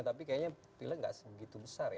tapi kayaknya pilek gak segitu besar